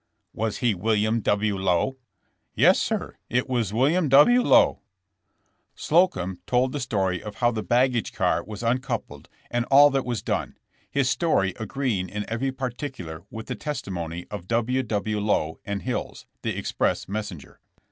'' *'Was he WiUiam W. LoweT' ''Yes, sir; it was William W. Lowe." Slocum told the story of how the baggage car was uncoupled, and all that was done, his story agree ing in every particular with the testimony of W. W. Lowe and Hills, the express messenger.